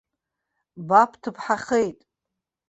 Ба бҭыԥҳахеит.